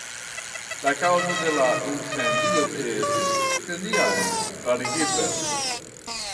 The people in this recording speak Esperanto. La kaŭzo de la incendio estis neniam klarigita.